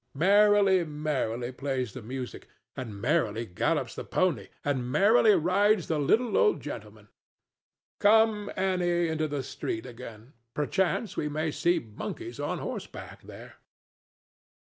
Merrily, merrily plays the music, and merrily gallops the pony, and merrily rides the little old gentleman.—Come, Annie, into the street again; perchance we may see monkeys on horseback there.